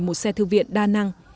một xe thư viện đa năng